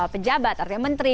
pejabat artinya menteri